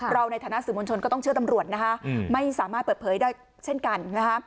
เราในฐานะสินมนตร์ชนก็ต้องเชื่อตำรวจนะคะไม่สามารถเปิดเผยได้เช่นกัน